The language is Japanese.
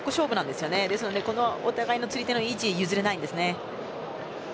ですのでお互いの釣り手の位置は譲れないんですよね。